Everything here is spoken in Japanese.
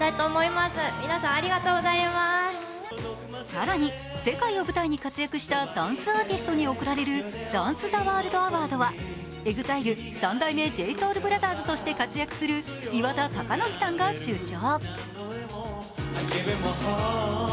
更に世界を舞台に活躍したダンスアーティストに贈られるダンス・ザ・ワールド・アワードはＥＸＩＬＥ三代目ＪＳＯＵＬＢＲＯＴＨＥＲＳとして活躍する岩田剛典さんが受賞。